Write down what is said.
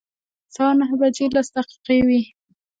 سهار نهه بجې لس دقیقې وې.